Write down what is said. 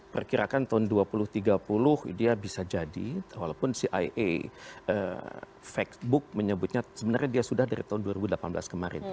perkirakan tahun dua ribu tiga puluh dia bisa jadi walaupun cia facebook menyebutnya sebenarnya dia sudah dari tahun dua ribu delapan belas kemarin